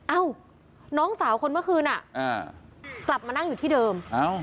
เอ้าน้องสาวคนเมื่อคืนกลับมานั่งอยู่ที่เดิม